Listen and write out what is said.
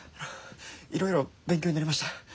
いろいろ勉強になりました。